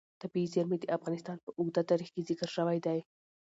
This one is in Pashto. طبیعي زیرمې د افغانستان په اوږده تاریخ کې ذکر شوی دی.